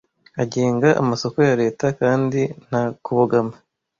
agenga amasoko ya Leta kandi nta kubogama